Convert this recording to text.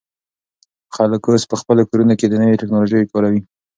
خلک اوس په خپلو کورونو کې نوې ټیکنالوژي کاروي.